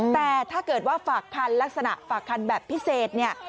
แต่ถ้าเกิดว่าฝากคันลักษณะฝากคันแบบพิเศษเนี่ย